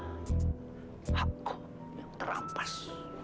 hakku yang terampas